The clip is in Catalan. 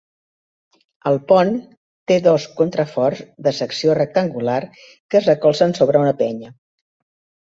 El pont té dos contraforts de secció rectangular que es recolzen sobre una penya.